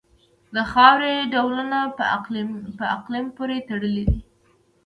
د خاورې ډولونه په اقلیم پورې تړلي دي.